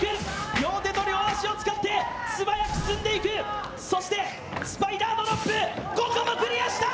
両手と両足を使って素早く進んでいく、そしてスパイダードロップ、ここもクリアした。